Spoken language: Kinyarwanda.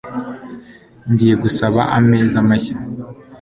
Ngiye gusaba ameza mashya